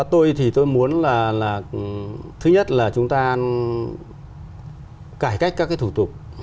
tôi thì tôi muốn là thứ nhất là chúng ta cải cách các cái thủ tục